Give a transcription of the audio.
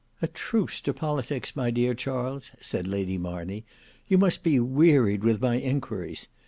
"A truce to politics, my dear Charles," said Lady Marney; "you must be wearied with my inquiries.